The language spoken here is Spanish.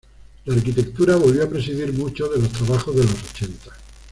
La arquitectura volvió a presidir muchos de los trabajos de los ochenta.